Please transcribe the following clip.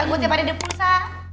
renggunya pada di pulsa